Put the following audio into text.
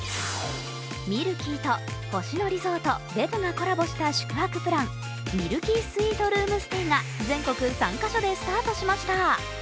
ミルキーと星野リゾートＢＥＢがコラボしたミルキースウィートルームステイが全国３か所でスタートしました。